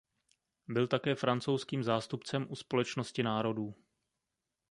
Byl také francouzským zástupcem u Společnosti národů.